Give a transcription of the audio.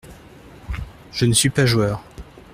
Je ne suis pas joueur.